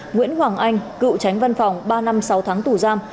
nguyễn hoàng anh cựu tránh văn phòng ba năm sáu tháng tù giam